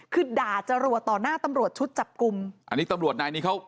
คือด่าจรวดต่อหน้าตำรวจชุดจับกลุ่มอันนี้ตำรวจนายนี้เขา